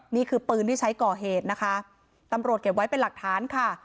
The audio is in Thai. นี่คือปืนที่ใช้ก่อเหตุนะคะตำรวจเก็บไว้เป็นหลักฐานค่ะ